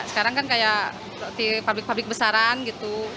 sekarang kan kayak pabrik pabrik besaran gitu